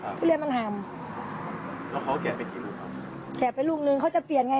ทุเรียนมันทำแล้วเขาแกะเป็นกี่ลูกครับแกะไปลูกนึงเขาจะเปลี่ยนไง